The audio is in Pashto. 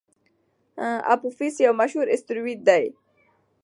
اپوفیس یو مشهور اسټروېډ دی.